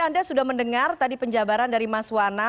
anda sudah mendengar tadi penjabaran dari mas wana